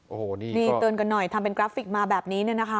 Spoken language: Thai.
โอ้โหนี่เตือนกันหน่อยทำเป็นกราฟิกมาแบบนี้เนี่ยนะคะ